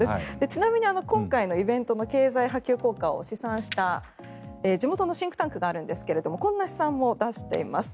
ちなみに今回のイベントの経済波及効果を試算した地元のシンクタンクがあるんですがこんな試算を出しています。